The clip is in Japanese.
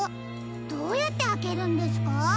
どうやってあけるんですか？